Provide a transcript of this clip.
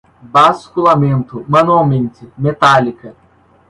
basculamento, manualmente, metálica